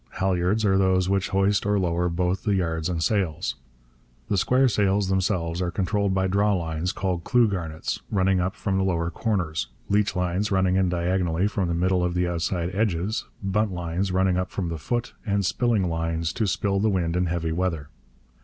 Halliards are those which hoist or lower both the yards and sails. The square sails themselves are controlled by drawlines called clew garnets running up from the lower corners, leechlines running in diagonally from the middle of the outside edges, buntlines running up from the foot, and spilling lines, to spill the wind in heavy weather.